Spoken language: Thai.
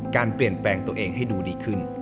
การเปลี่ยนแปลงตัวเองให้ดูดีขึ้น